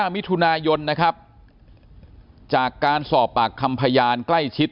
มิถุนายนนะครับจากการสอบปากคำพยานใกล้ชิด